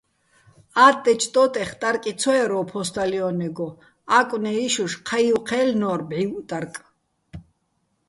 ატტე́ჩო̆ ტო́ტეხ ტარკი ცო ჲარ ო ფო́სტალიონეგო, ა́კვნე ჲიშუშ ჴაივ ჴაჲლნო́რ ბჵივჸ ტარკ.